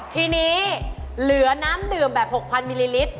ทีนี้เหลือน้ำดื่มแบบ๖๐๐มิลลิลิตร